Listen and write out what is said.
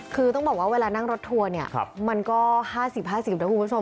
คือต้องบอกว่าเวลานั่งรถทัวร์เนี่ยมันก็๕๐๕๐นะคุณผู้ชม